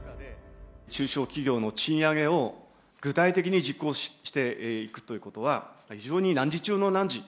中小企業の賃上げを具体的に実行していくということは、非常に難事中の難事。